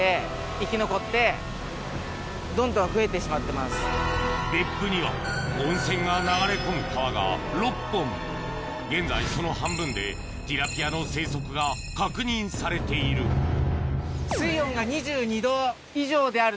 成長すれば５０ｃｍ以上普及せず別府には温泉が流れ込む川が６本現在その半分でティラピアの生息が確認されているえぇ！